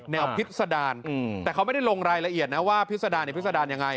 พิษดารแต่เขาไม่ได้ลงรายละเอียดนะว่าพิษดาเนี่ยพิษดารยังไง